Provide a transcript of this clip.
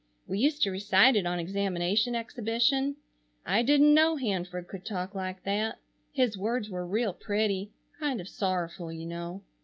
We used to recite it on examination exhibition. I didn't know Hanford could talk like that. His words were real pretty, kind of sorrowful you know.